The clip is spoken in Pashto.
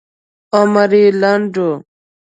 عمر یې لنډ و.